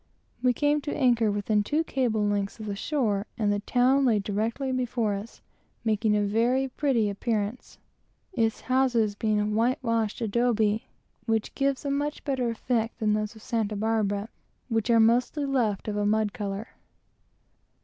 We came to anchor within two cable lengths of the shore, and the town lay directly before us, making a very pretty appearance; its houses being plastered, which gives a much better effect than those of Santa Barbara, which are of a mud color.